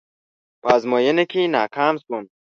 په ازموينه کې ناکام شوم.